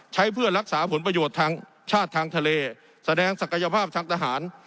เพื่อรักษาผลประโยชน์ทางชาติทางทะเลแสดงศักยภาพทางทหาร